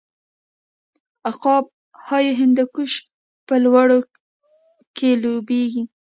عقاب های هندوکش په لوړو کې لوبیږي.